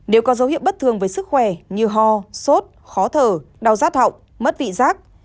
nếu có dấu hiệu bất thường với sức khỏe như ho sốt khó thở đau rát họng mất vị giác